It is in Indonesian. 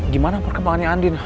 gimana perkembangannya andin